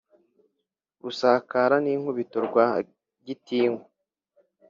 Rusakara ninkubito Rwa gitinywa